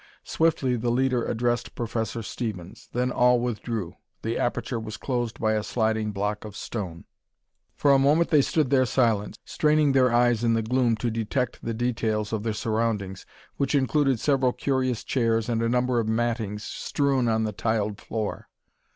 Swiftly the leader addressed Professor Stevens. Then all withdrew. The aperture was closed by a sliding block of stone. For a moment they stood there silent, straining their eyes in the gloom to detect the details of their surroundings, which included several curious chairs and a number of mattings strewn on the tiled floor.